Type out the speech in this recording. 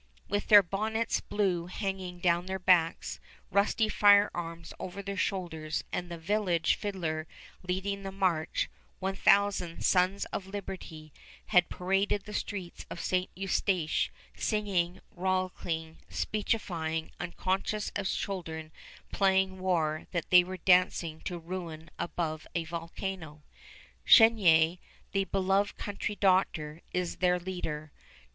With their bonnets blue hanging down their backs, rusty firearms over their shoulders, and the village fiddler leading the march, one thousand "Sons of Liberty" had paraded the streets of St. Eustache, singing, rollicking, speechifying, unconscious as children playing war that they were dancing to ruin above a volcano. Chenier, the beloved country doctor, is their leader.